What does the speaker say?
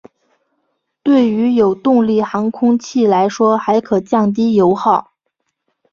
对于有动力航空器来说还可降低油耗。